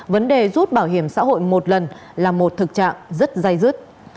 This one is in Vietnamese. vấn đề rút bảo hiểm xã hội một lần là một thực trạng rất dây dứt